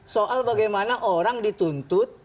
soal bagaimana orang dituntut